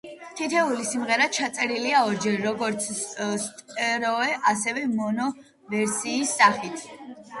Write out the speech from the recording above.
თითოეული სიმღერა ჩაწერილია ორჯერ, როგორც სტერეო, ასევე მონო ვერსიის სახით.